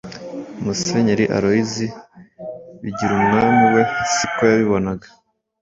Musenyeri Aloyizi Bigirumwami we si ko yabibonaga